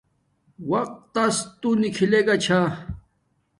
وقت تس توہ نکھلے گا چھا